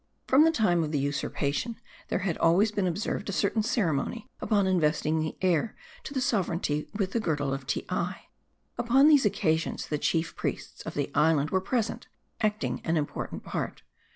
From the time of the usurpation, there had always been observed a certain ceremony upon investing the heir to the sovereignty with the girdle of Teei. Upon these occasions, the chief priests of the island were present, acting an im portant part.